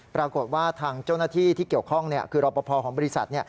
ปรากฏว่าทางเจ้าหน้าที่ที่เกี่ยวข้องคือรอปภของบริษัท